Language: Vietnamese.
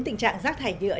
tình trạng giác thải nhựa